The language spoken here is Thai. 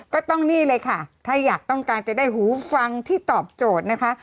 ก็ต้องนี่เลยค่ะถ้าอยากต้องการจะได้หูฟังที่ตอบโจทย์นะคะ